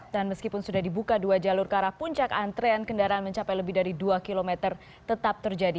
dan meskipun sudah dibuka dua jalur ke arah puncak antrean kendaraan mencapai lebih dari dua km tetap terjadi